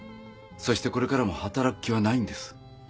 そしてこれからも働く気はないんです。